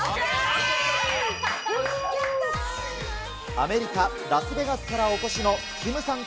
アメリカ・ラスベガスからお越しのキムさん